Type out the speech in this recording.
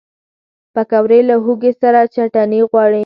پکورې له هوږې سره چټني غواړي